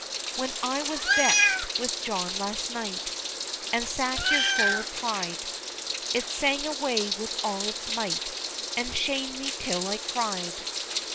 When I was vexed with John last night, And sat here full of pride, It sang away with all its might, And shamed me till I cried.